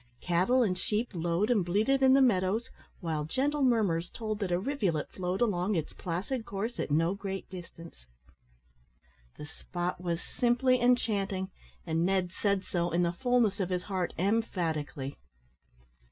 Cattle and sheep lowed and bleated in the meadows, while gentle murmurs told that a rivulet flowed along its placid course at no great distance. The spot was simply enchanting and Ned said so, in the fulness of his heart, emphatically.